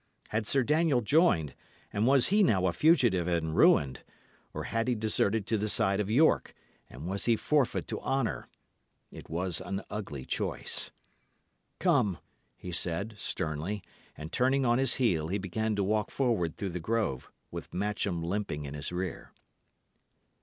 Had Sir Daniel joined, and was he now a fugitive and ruined? or had he deserted to the side of York, and was he forfeit to honour? It was an ugly choice. "Come," he said, sternly; and, turning on his heel, he began to walk forward through the grove, with Matcham limping in his rear.